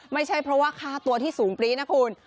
ไม่ใช่เพราะว่าค่าตัวที่สูงปรี๊นะคุณ